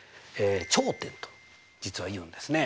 頂点と実はいうんですね。